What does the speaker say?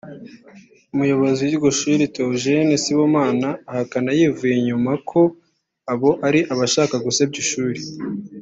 Umuyobozi w’iryo shuri Theogene Sibomana ahakana yivuye inyuma ko abo ari abashaka gusebya ishuri